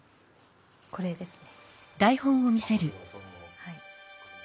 これですね。